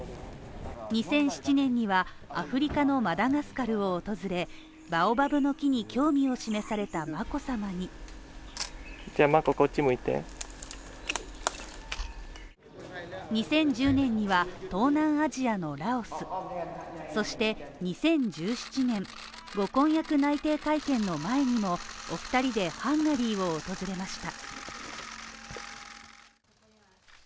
２００７年にはアフリカのマダガスカルを訪れバオバブの木に興味を示された眞子さまに２０１０年には東南アジアのラオスそして、２０１７年ご婚約内定会見の前にもお二人で、ハンガリーを訪れました。